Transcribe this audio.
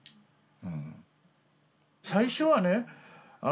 最初はね